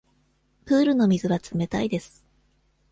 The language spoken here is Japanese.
プールの水は冷たいです。